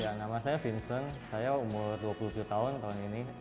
ya nama saya vincent saya umur dua puluh tujuh tahun tahun ini